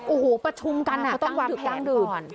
โอ้โหประชุมกันอ่ะเขาต้องวางแผ่นก่อน